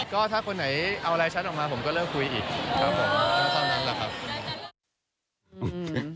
ก็ถ้าคนไหนเอาอะไรชัดออกมาผมก็เลิกคุยอีกครับผม